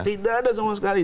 tidak ada sama sekali